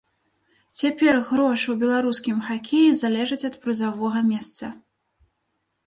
Цяпер грошы ў беларускім хакеі залежаць ад прызавога месца.